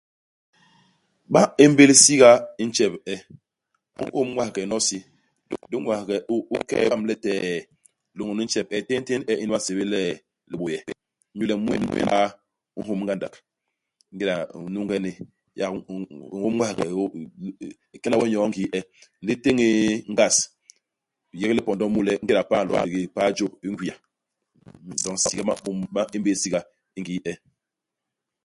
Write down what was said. Ba ñémbél siga i ntjep u e. U ñôm ñwaghe nyono i si, u u ñwaghe u u ke'e nga ni letee, lôñni u njtep u e, téntén intjep unu ba nsébél le libôye, inyu le mu nyen paa i nhôm ngandak. Ingéda u n'nunge ni, yak u u ñom ñwaghe u eeh u kena wo nyoo i ngii e, ndi u tén nn ngas, u yék lipondo mu le ingéda paa i nlo ngandigi paa i jôp, i ngwia. Doñ siga ba ñôm ba ñémbél siga i ngii e.